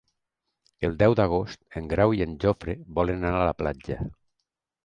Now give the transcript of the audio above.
El deu d'agost en Grau i en Jofre volen anar a la platja.